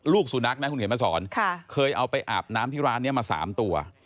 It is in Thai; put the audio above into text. ลูกสุนัขนะคุณเขียนมาสอนเคยเอาไปอาบน้ำที่ร้านนี้มา๓ตัว